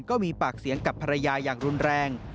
ก็มีปากเสียงกับภรรยาอย่างรุนแรง